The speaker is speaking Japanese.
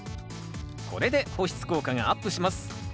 これで保湿効果がアップします。